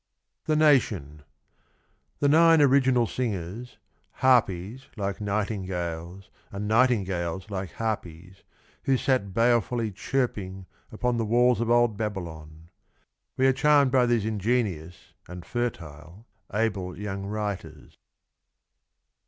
THE NATION. The nine original singers, harpies like nightingales, and nightingales like harpies, who sat balefully chirping upon the walls of old Babylon. We are charmed by these ingenious and fertile able young writers.